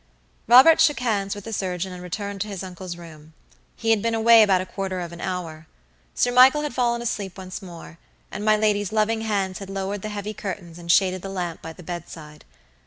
Robert shook hands with the surgeon and returned to his uncle's room. He had been away about a quarter of an hour. Sir Michael had fallen asleep once more, and my lady's loving hands had lowered the heavy curtains and shaded the lamp by the bedside.